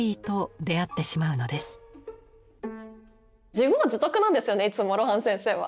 自業自得なんですよねいつも露伴先生は。